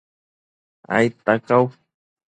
aidta cau